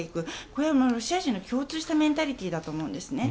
これはロシア人の共通したメンタリティーだと思うんですね。